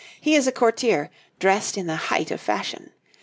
He is a courtier, dressed in the height of fashion.